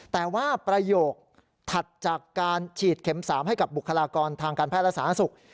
แต่ว่าประโยคถัดจากการฉีดเข็ม๓ให้กับบุคลากรทางการแพทย์และสาธารณสุข